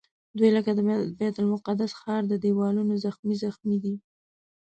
دوی لکه د بیت المقدس ښار د دیوالونو زخمي زخمي دي.